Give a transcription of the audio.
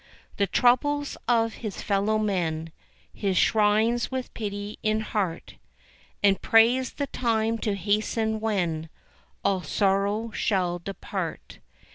The troubles of his fellow men He shrines with pity in heart, And prays the time to hasten when All sorrow shall depart.